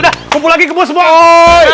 udah kumpul lagi ke bos bos